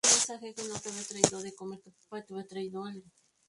Estudió Derecho y Filosofía y Letras en la Universidad Central de Madrid.